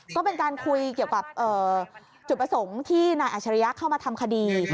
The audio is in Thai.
ก็เป็นการคุยเกี่ยวกับจุดประสงค์ที่นายอัชริยะเข้ามาทำคดี